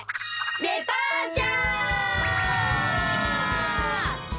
デパーチャー！